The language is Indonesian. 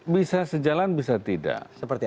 bisa sejalan bisa tidak